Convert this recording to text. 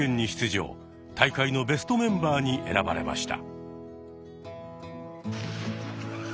大会のベストメンバーに選ばれました。